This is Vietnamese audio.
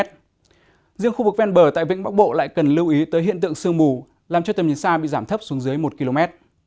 riêng khu vực ven bờ tại vĩnh bắc bộ lại cần lưu ý tới hiện tượng sương mù làm cho tầm nhìn xa bị giảm thấp xuống dưới một km